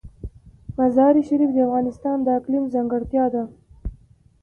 مزارشریف د افغانستان د اقلیم ځانګړتیا ده.